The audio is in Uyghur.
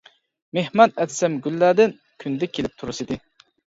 مېھمان ئەتسەم گۈللەردىن، كۈندە كېلىپ تۇرسىدى.